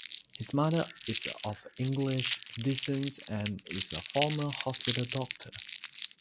His mother is of English descent and is a former hospital doctor.